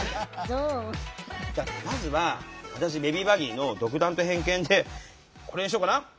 まずは私ベビー・バギーの独断と偏見でこれにしようかな？